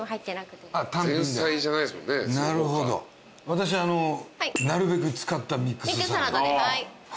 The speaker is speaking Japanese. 私あのなるべく使ったミックスサラダ。